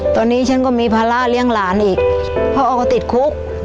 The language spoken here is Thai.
ตอนนี้ฉันก็มีภาระเลี้ยงหลานอีกพ่อก็ติดคุก